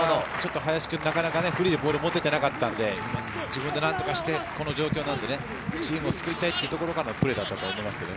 林君、なかなかフリーでボールを持てていなかったんで、自分で何とかして、この状況なので、チームを救いたいというところでのプレーだったと思います。